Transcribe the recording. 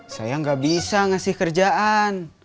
saya nggak bisa ngasih kerjaan